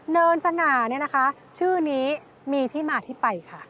เนินสง่าเนี่ยนะคะชื่อนี้มีที่มาที่ไปค่ะ